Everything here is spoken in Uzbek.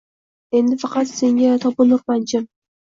Endi faqat senga topinurman jim